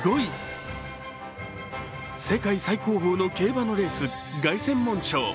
世界最高峰の競馬のレース、凱旋門賞。